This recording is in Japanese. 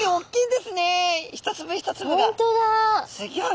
すギョい！